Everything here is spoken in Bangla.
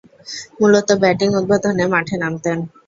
মূলতঃ ব্যাটিং উদ্বোধনে মাঠে নামতেন।